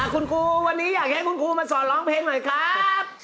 คุณครูวันนี้อยากให้คุณครูมาสอนร้องเพลงหน่อยครับ